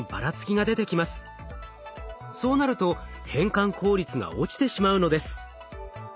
そうなると変換効率が落ちてしまうのです。